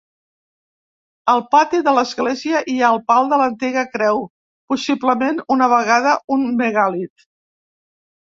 Al pati de l'església hi ha el pal de l'antiga creu, possiblement una vegada un megàlit.